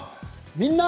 「みんな！